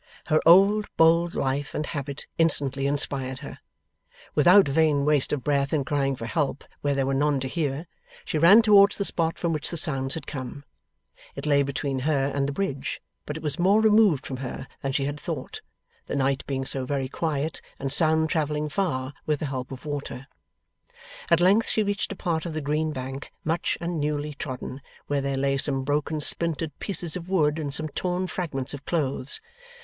Her old bold life and habit instantly inspired her. Without vain waste of breath in crying for help where there were none to hear, she ran towards the spot from which the sounds had come. It lay between her and the bridge, but it was more removed from her than she had thought; the night being so very quiet, and sound travelling far with the help of water. At length, she reached a part of the green bank, much and newly trodden, where there lay some broken splintered pieces of wood and some torn fragments of clothes.